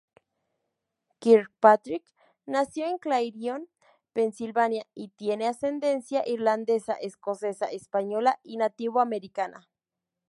Kirkpatrick nació en Clarion, Pensilvania y tiene ascendencia irlandesa, escocesa, española y nativo americana.